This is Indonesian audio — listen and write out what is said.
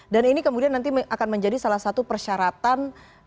dan ini kemudian nanti akan menjadi salah satu persyaratan